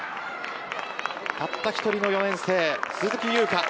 たった１人の４年生、鈴木優花。